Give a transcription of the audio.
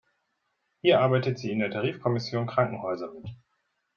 Hier arbeitet sie in der Tarifkommission Krankenhäuser mit.